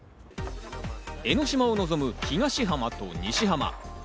江の島を望む東浜と西浜。